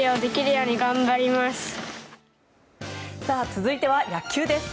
続いては野球です。